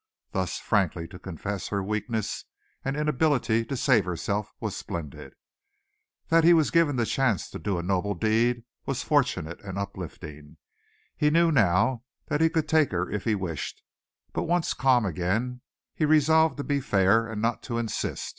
Thus frankly to confess her weakness and inability to save herself was splendid. That he was given the chance to do a noble deed was fortunate and uplifting. He knew now that he could take her if he wished, but once calm again he resolved to be fair and not to insist.